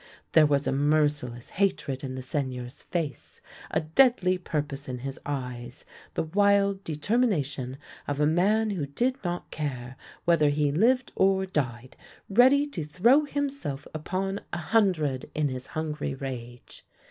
There was a merciless hatred in the Seigneur's face, a deadly purpose in his eyes; the wild determination of a man who did not care whether he lived or died, ready to throw himself upon a hun dred in his hungry rage.